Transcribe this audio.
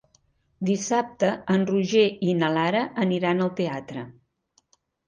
Dissabte en Roger i na Lara aniran al teatre.